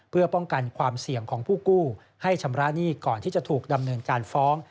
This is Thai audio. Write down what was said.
เพื่อป้องกันความเสี่ยงของผู้กู้ให้ชำระหนี้ก่อนที่จะถูกดำเนินการฟ้อง